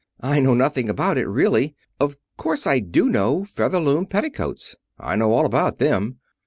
I know nothing about it, really. Of course, I do know Featherloom petticoats. I know all about them.